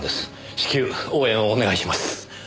至急応援をお願いします。